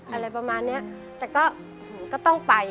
อะไรประมาณนี้แต่ก็ต้องไป